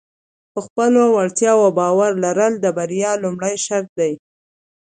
په خپلو وړتیاو باور لرل د بریا لومړنی شرط دی.